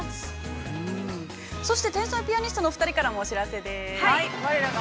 ◆そして、天才ピアニストのお二人からもお知らせです。